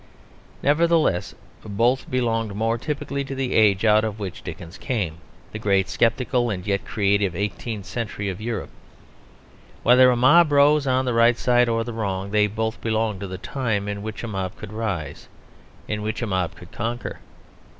Nevertheless both belonged more typically to the age out of which Dickens came the great sceptical and yet creative eighteenth century of Europe. Whether the mob rose on the right side or the wrong they both belonged to the time in which a mob could rise, in which a mob could conquer.